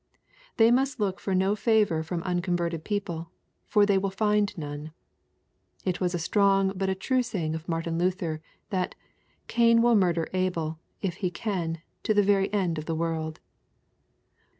They must look for no favor from unconverted people, for they will find none. It was a strong but a true saying of Martin Luther, that '^ Cain will murder Abel, if he can, to the very end of the world.''